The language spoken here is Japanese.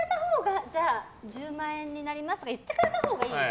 １０万円になりますって言ってくれたほうがいいのよ。